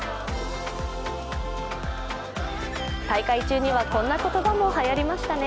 大会中にはこんな言葉もはやりましたね。